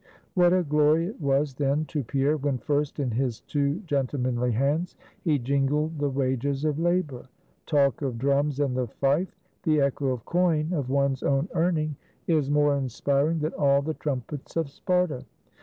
What a glory it was then to Pierre, when first in his two gentlemanly hands he jingled the wages of labor! Talk of drums and the fife; the echo of coin of one's own earning is more inspiring than all the trumpets of Sparta.